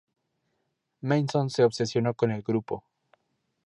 Manson se obsesionó con el grupo.